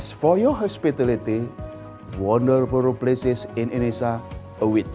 sebagai hospitalitas foyet tempat yang luar biasa di indonesia berada di sini